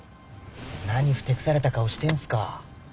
何ふてくされた顔してんすか？